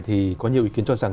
thì có nhiều ý kiến cho rằng